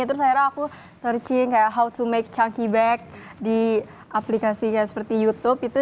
terus akhirnya aku searching kayak how to make chane bag di aplikasinya seperti youtube itu